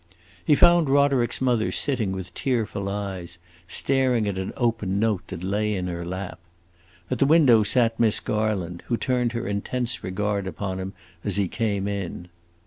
He found Roderick's mother sitting with tearful eyes, staring at an open note that lay in her lap. At the window sat Miss Garland, who turned her intense regard upon him as he came in.